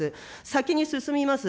先に進みます。